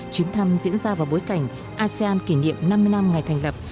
chuyến thăm diễn ra vào bối cảnh asean kỷ niệm năm mươi năm ngày thành lập